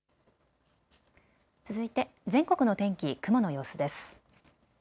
続いて全国の天気、雲の様子です。